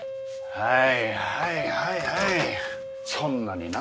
はい。